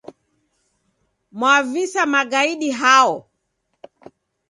Mwavisa magaidi hao?